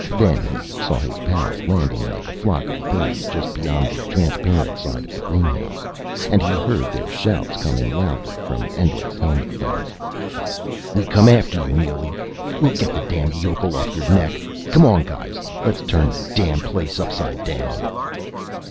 Then he saw his pals, landing like a flock of birds, just beyond the transparent side of the greenhouse. And he heard their shouts, coming loudly from Endlich's helmet phones: "We come after you, Neely! We'll get the damn yokel off your neck.... Come on, guys let's turn the damn place upside down!..."